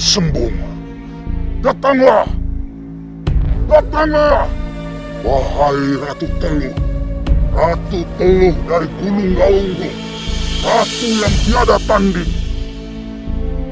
sembuh datanglah datanglah bahaya ratu teluk ratu teluk dari gunung launggung ratu yang tiada tanding